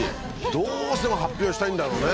どうしても発表したいんだろうね。